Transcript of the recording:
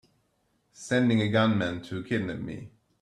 Sending a gunman to kidnap me!